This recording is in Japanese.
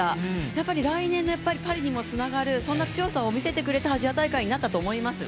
やっぱり来年のパリにもつながる、そんな強さを見せてくれたアジア大会になったと思います。